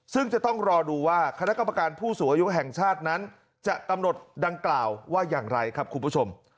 ซึ่งจะต้องรอดูว่าคณะกรรมการผู้สูงอายุแห่งชาตินั้นจะกำหนดดังกล่าวว่าอย่างไรครับคุณผู้ชม